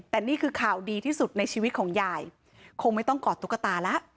แต่นี่คือข่าวดีที่สุดในชีวิตของยายคงไม่ต้องกอดตุ๊กตาแล้ว